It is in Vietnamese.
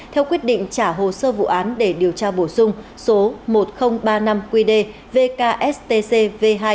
theo quyết định trả hồ sơ vụ án để điều tra bổ sung số một nghìn ba mươi năm qd vkst v hai